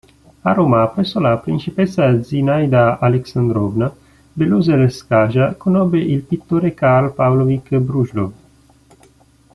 A Roma, presso la principessa Zinaida Aleksandrovna Belosel'skaja, conobbe il pittore Karl Pavlovič Brjullov.